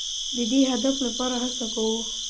د دې هدف لپاره هڅه کوو.